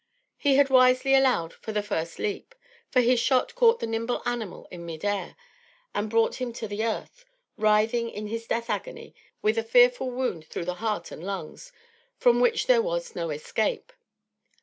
He had wisely allowed for the first leap, for his shot caught the nimble animal in mid air and brought him to the earth, writhing in his death agony with a fearful wound through the heart and lungs, from which there was no escape.